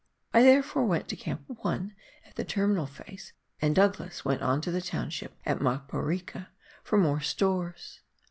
I therefore went to Camp 1 at the Terminal face, and Douglas went on to the township at Maporika for more stores.